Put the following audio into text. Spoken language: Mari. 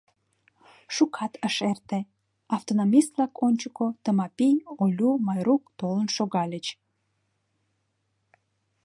Шукат ыш эрте — автономист-влак ончыко Тымапи, Олю, Майрук толын шогальыч.